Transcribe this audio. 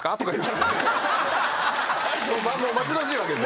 待ち遠しいわけですよ。